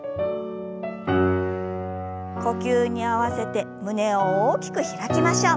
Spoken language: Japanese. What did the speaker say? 呼吸に合わせて胸を大きく開きましょう。